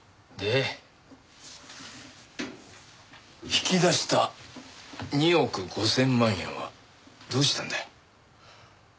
引き出した２億５０００万円はどうしたんだよ？